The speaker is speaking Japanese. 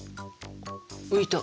浮いた！